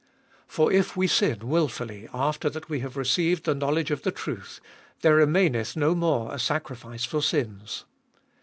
For if we sin wilfully after that we have received the knowledge of the truth, there remaineth no more a sacri fice for sins.